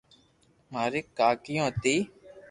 مري ڪاڪيو ھتي